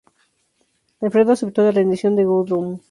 Alfredo aceptó la rendición de Guthrum.